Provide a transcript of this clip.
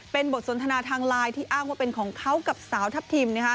เป็นบทสนทนาทางไลน์ที่อ้างว่าเป็นของเขากับสาวทัพทิม